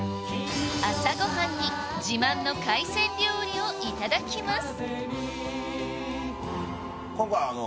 朝ごはんに自慢の海鮮料理をいただきます